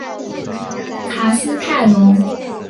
卡斯泰龙。